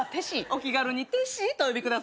お気軽にテシとお呼びください。